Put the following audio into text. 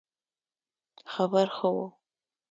خبر ښه وو